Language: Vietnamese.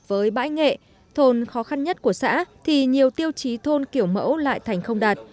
với bãi nghệ thôn khó khăn nhất của xã thì nhiều tiêu chí thôn kiểu mẫu lại thành không đạt